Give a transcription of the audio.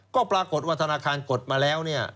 ก็ปรากฏว่าธนาคารกดมาแล้ว